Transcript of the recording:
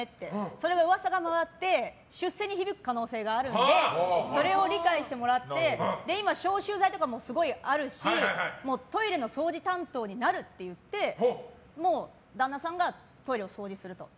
その噂が回って出世に響く可能性があるのでそれを理解してもらって今、消臭剤とかもすごいあるし、トイレの掃除担当になるって言って旦那さんがトイレを掃除すると。